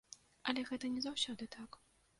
Але гэта не заўсёды так.